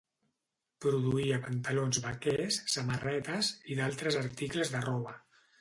Produïa pantalons vaquers, samarretes, i d'altres articles de roba.